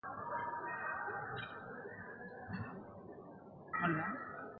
De quina ciutat moderna es tracta Buxèntum?